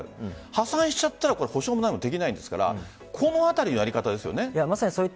破産しちゃったら補償も何もできないですからこのあたりのやり方ですよね。